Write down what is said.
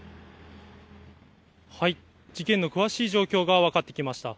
事件の詳しい状況が分かってきました。